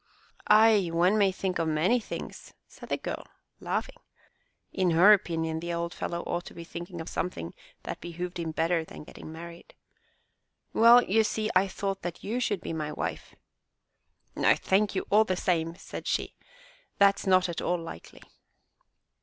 Ay! one may think of many things," said the girl, laughing. In her opinion the old fellow ought to be thinking of something that behooved him better than getting married. "Well, you see, I thought that you should be my wife!" No, thank you all the same," said she, "that's not at all likely."